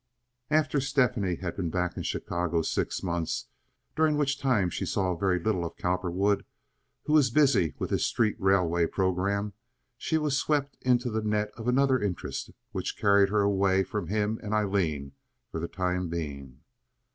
After Stephanie had been back in Chicago six months, during which time she saw very little of Cowperwood, who was busy with his street railway programme, she was swept into the net of another interest which carried her away from him and Aileen for the time being.